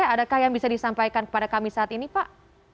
adakah yang bisa disampaikan kepada kami saat ini pak